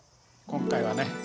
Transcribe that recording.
今回はね